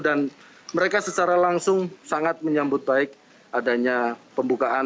dan mereka secara langsung sangat menyambut baik adanya pembukaan